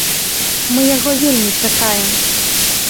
Мы яго вельмі чакаем.